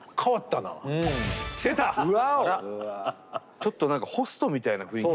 ちょっと何かホストみたいな雰囲気。